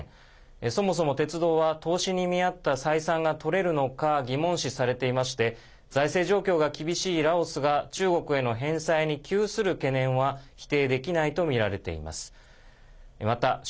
そもそも、鉄道は投資に見合った採算が取れるのか疑問視されていまして財政状況が厳しいラオスが中国への返済に窮する懸念は否定できないとみられています。